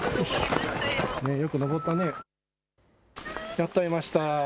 やっと会えました。